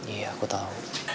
iya aku tau